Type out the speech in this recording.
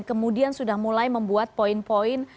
kemudian sudah mulai membuat poin poin